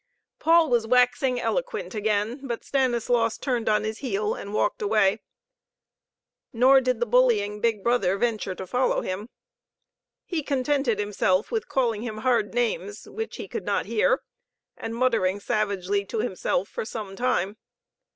Paul was waxing eloquent again, but Stanislaus turned on his heel and walked away. Nor did the bullying big brother venture to follow him. He contented himself with calling him hard names which he could not hear, and muttering savagely to himself for some time.